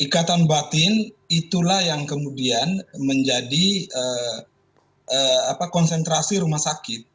ikatan batin itulah yang kemudian menjadi konsentrasi rumah sakit